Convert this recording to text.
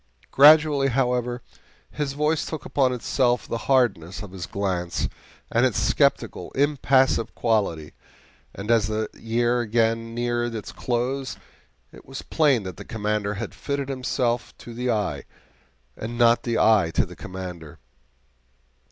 Gradually, however, his voice took upon itself the hardness of his glance and its skeptical, impassive quality, and as the year again neared its close it was plain that the Commander had fitted himself to the eye, and not the eye to the Commander.